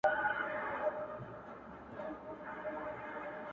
د خپل ورور زړه یې څیرلی په خنجر دی٫